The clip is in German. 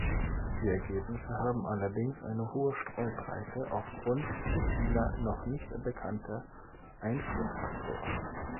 Die Ergebnisse haben allerdings eine hohe Streubreite aufgrund zu vieler noch nicht bekannter Einflussfaktoren.